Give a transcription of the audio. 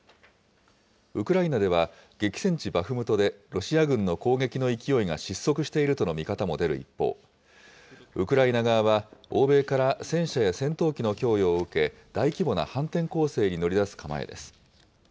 ウクライナでは、激戦地バフムトでロシア軍の攻撃の勢いが失速しているとの見方も出る一方、ウクライナ側は、欧米から戦車や戦闘機の供与を受け、大規模な反転攻勢に乗り出す構えです。